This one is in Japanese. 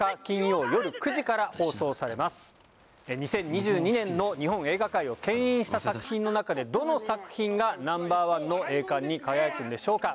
２０２２年の日本映画界をけん引した作品の中でどの作品がナンバーワンの栄冠に輝くんでしょうか。